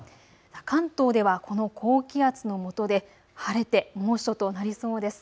関東ではこの高気圧のもとで晴れて猛暑となりそうです。